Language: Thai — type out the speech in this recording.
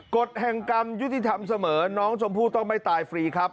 กฎแห่งกรรมยุติธรรมเสมอน้องชมพู่ต้องไม่ตายฟรีครับ